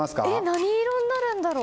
何色になるんだろう。